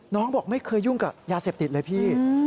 บอกไม่เคยยุ่งกับยาเสพติดเลยพี่